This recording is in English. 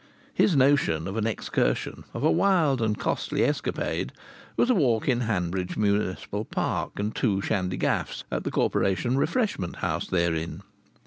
His notion of an excursion, of a wild and costly escapade, was a walk in Hanbridge Municipal Park and two shandy gaffs at the Corporation Refreshment House therein.